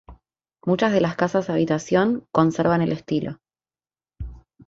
Muchas de las casas habitación conservan el estilo.